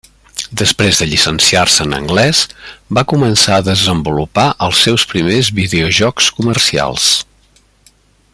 Després de llicenciar-se en anglès, va començar a desenvolupar els seus primers videojocs comercials.